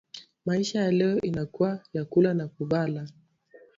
Maisha ya leo inakuwa ya kula na kuvala